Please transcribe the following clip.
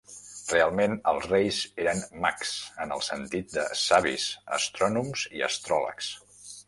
Realment, els Reis eren 'mags' en el sentit de savis, astrònoms i astròlegs.